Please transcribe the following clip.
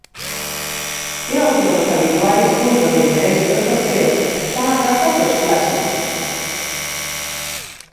E outro dos habituais puntos de interese do sorteo son as datas dos clásicos.